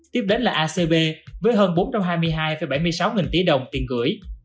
tiếp đến là acv với hơn bốn trăm hai mươi hai bảy mươi sáu nghìn tỷ đồng tiền gửi